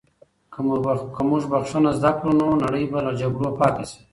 که موږ بښنه زده کړو، نو نړۍ به له جګړو پاکه شي.